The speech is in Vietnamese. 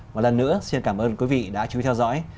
một lần nữa xin cảm ơn quý vị đã chú ý theo dõi